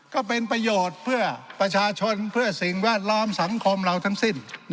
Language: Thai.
ก็เป็นประโยชน์เพื่อประชาชนเพื่อสิ่งแวดล้อมสังคมเราทั้งสิ้น